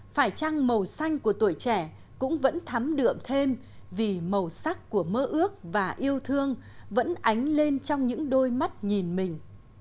phải trăng màu xanh của tuổi trẻ cũng vẫn thắm đượm thêm vì màu sắc của mơ ước và yêu thương vẫn ánh lên trong những đôi mắt nhìn mình